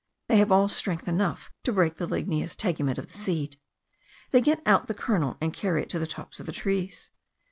They have all strength enough to break the ligneous tegument of the seed; they get out the kernel, and carry it to the tops of the trees.